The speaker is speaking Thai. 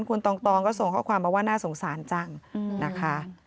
คุณตองก็ส่งข้อความมาว่าน่าสงสารจังนะคะ